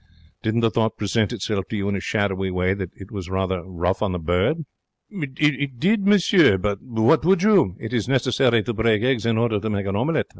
Didn't the thought present itself to you in a shadowy way that it was rather rough on the bird?' 'It did, monsieur. But what would you? It is necessary to break eggs in order to make an omelette.